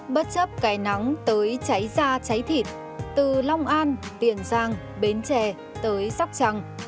bất chấp cái nắng tới cháy da cháy thịt từ long an tiền giang bến tre tới sóc trăng